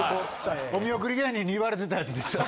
お見送り芸人に言われてたやつでしょ？